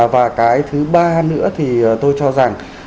và cái thứ ba nữa thì tôi cho rằng